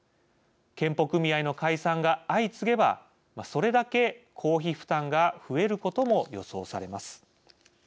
健保組合の解散が相次げばそれだけ公費負担が増えることも予想されます。